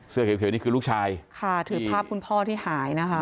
เขียวนี่คือลูกชายค่ะถือภาพคุณพ่อที่หายนะคะ